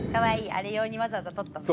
あれ用にわざわざ撮ったんだ。